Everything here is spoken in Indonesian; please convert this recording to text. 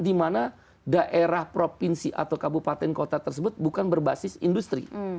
di mana daerah provinsi atau kabupaten kota tersebut bukan berbasis industri